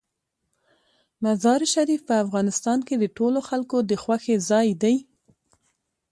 مزارشریف په افغانستان کې د ټولو خلکو د خوښې ځای دی.